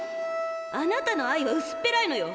あなたの愛はうすっぺらいのよ！